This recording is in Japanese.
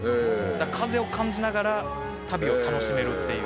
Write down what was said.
風を感じながら旅を楽しめるっていう。